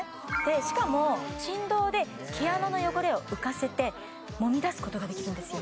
しかも振動で毛穴の汚れを浮かせてもみ出すことができるんですよ